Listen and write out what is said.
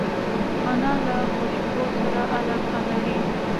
انا له خوشبو سره علاقه لري